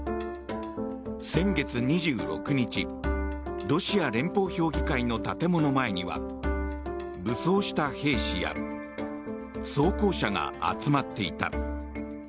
先月２６日ロシア連邦評議会の建物前には武装した兵士や装甲車が集まっていた。